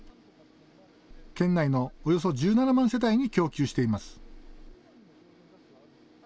県内のおよそ１７万世帯に供給しています。